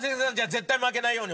絶対負けないように。